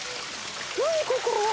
何ここ？